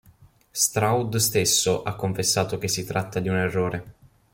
Stroud stesso ha confessato che si tratta di un errore.